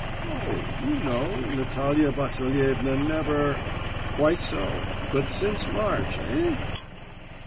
"Oh—you know, Natalia Vasilievna, never—" "Quite so; but since March—eh?"